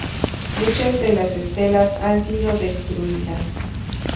Muchas de las estelas han sido destruidas.